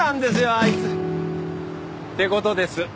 あいつ。って事です。